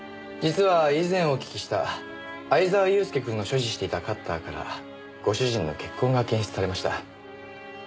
実は以前お聞きした藍沢祐介くんの所持していたカッターからご主人の血痕が検出されました。